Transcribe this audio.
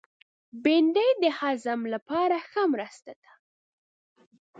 بېنډۍ د هضم لپاره ښه مرسته ده